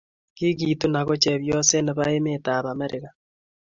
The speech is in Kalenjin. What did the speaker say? Kigetun ago chepyoset nebo emetab Amerika